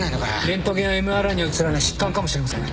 レントゲンやＭＲＩに写らない疾患かもしれません。